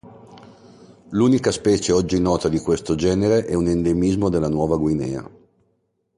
L'unica specie oggi nota di questo genere è un endemismo della Nuova Guinea.